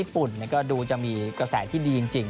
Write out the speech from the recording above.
ส่วนกระแสความคล้ำคล้ายขอดูจะมีกระแสที่ดีจริง